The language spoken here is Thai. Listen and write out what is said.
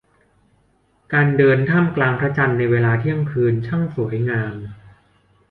การเดินท่ามกลางพระจันทร์ในเวลาเที่ยงคืนช่างสวยงาม